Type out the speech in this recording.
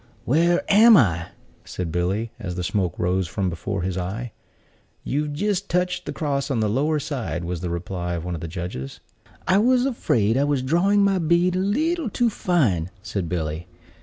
"Where am I?" said Billy, as the smoke rose from before his eye. "You've jist touched the cross on the lower side," was the reply of one of the judges. "I was afraid I was drawing my bead a leetle too fine," said Billy.